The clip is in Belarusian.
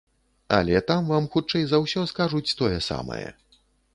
Але там вам хутчэй за ўсё скажуць тое самае.